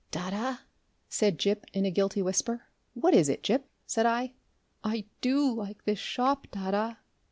"Dadda!" said Gip, in a guilty whisper. "What is it, Gip?" said I. "I DO like this shop, dadda."